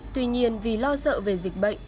tuy nhiên vì lo sợ về dịch bệnh